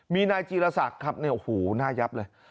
มีนายจีรศักดิ์ครับเนี่ยโอ้โหหน้ายับเลย